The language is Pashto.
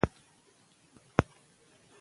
د پرواز فکر یې نه وو نور په سر کي